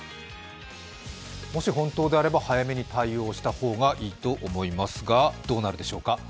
もし本当であれば早めに対応した方がいいと思いますが、どうなるでしょうか。